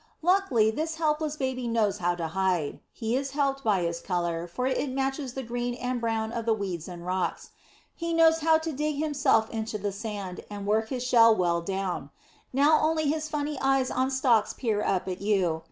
Luckily, this helpless baby knows how to hide. He is helped by his colour, for it matches the green and brown of the weeds and rocks. He knows how to dig himself into the sand, and work his shell well down. Then only his funny eyes on stalks peer up at you.